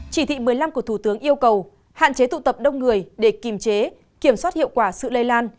chỉ thị một mươi năm của thủ tướng yêu cầu hạn chế tụ tập đông người để kiềm chế kiểm soát hiệu quả sự lây lan